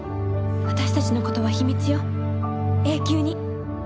私たちのことは秘密よ永久に。